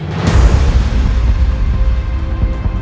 tidak ada masalah